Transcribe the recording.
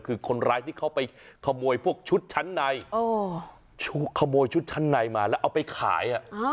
คือคนร้ายที่เขาไปขโมยพวกชุดชั้นในขโมยชุดชั้นในมาแล้วเอาไปขาย